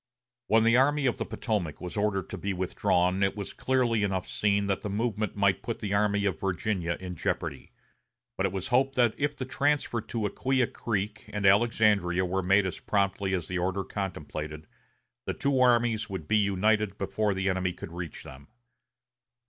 When the Army of the Potomac was ordered to be withdrawn it was clearly enough seen that the movement might put the Army of Virginia in jeopardy; but it was hoped that if the transfer to Acquia Creek and Alexandria were made as promptly as the order contemplated, the two armies would be united before the enemy could reach them.